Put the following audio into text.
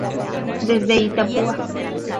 Desde Itapúa.